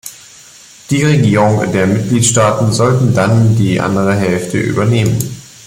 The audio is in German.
Die Regierungen der Mitgliedstaaten sollten dann die andere Hälfte übernehmen.